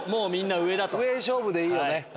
上勝負でいいよね。